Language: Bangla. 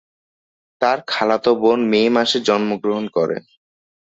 তার খালাতো বোন মে মাসে জন্মগ্রহণ করে।